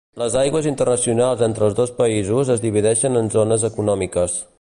Les aigües internacionals entre els dos països es divideixen en zones econòmiques.